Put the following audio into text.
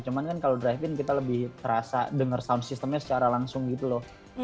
cuman kan kalau driving kita lebih terasa denger sound systemnya secara langsung gitu loh